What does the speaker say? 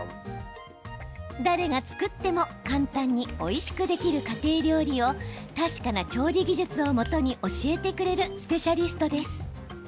誰が作っても簡単においしくできる家庭料理を確かな調理技術をもとに教えてくれるスペシャリストです。